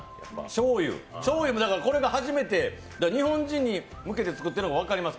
しょうゆ、しょうゆもこれ初めて日本人に向けて作られたのも分かります。